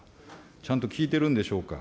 ちゃんと聞いてるんでしょうか。